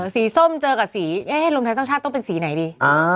ส้มเจอกับสีเอ๊ะรวมไทยสร้างชาติต้องเป็นสีไหนดี